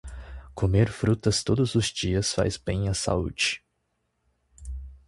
Comer frutas todos os dias faz bem à saúde.